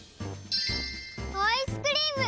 アイスクリーム！